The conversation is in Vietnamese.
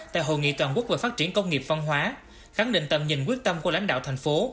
tại hội nghị toàn quốc về phát triển công nghiệp văn hóa khẳng định tầm nhìn quyết tâm của lãnh đạo thành phố